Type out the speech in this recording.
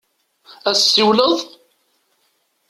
Ad d-tsiwleḍ?